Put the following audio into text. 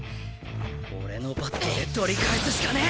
俺のバットで取り返すしかねえ！